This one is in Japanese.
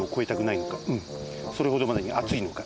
それほどまでにあついのか？